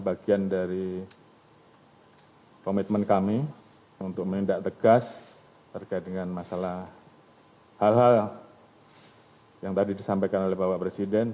bagian dari komitmen kami untuk menindak tegas terkait dengan masalah hal hal yang tadi disampaikan oleh bapak presiden